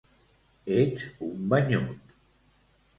Ets un banyut